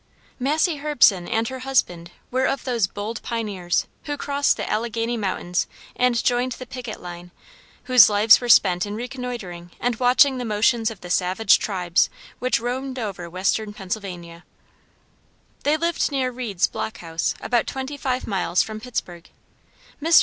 Massy Herbeson and her husband were of those bold pioneers who crossed the Alleghany Mountains and joined the picket line, whose lives were spent in reconnoitering and watching the motions of the savage tribes which roamed over Western Pennsylvania. [Footnote: Massey Herbeson's Deposition.] They lived near Reed's block house, about twenty five miles from Pittsburgh. Mr.